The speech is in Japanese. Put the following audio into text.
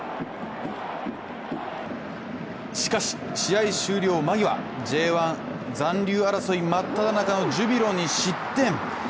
しかし、試合終了間際、Ｊ１残留争い真っただ中のジュビロに失点。